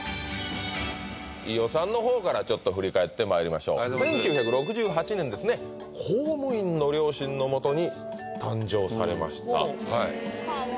飯尾さんのほうからちょっと振り返ってまいりましょう１９６８年ですね公務員の両親のもとに誕生されましたかわいい！